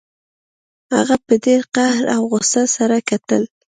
هغه په ډیر قهر او غوسه سره کتل